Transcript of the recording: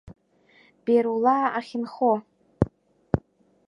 Берулаа ахьынхо.